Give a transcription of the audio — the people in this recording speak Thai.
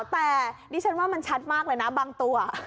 แต่ดิฉันว่ามันชัดมากเลยนะบางตัว